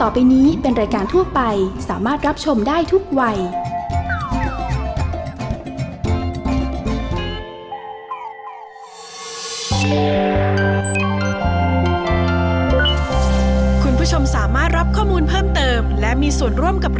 เป็กกี้ก็โหลดแล้วค่ะ